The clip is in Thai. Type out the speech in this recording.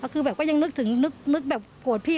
คือแบบก็ยังนึกถึงนึกแบบโกรธพี่